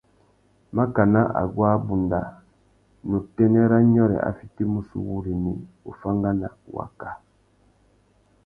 Makana aguá abunda, ná utênê râ nyôrê a fitimú sú wúrrini, uffangana; waka.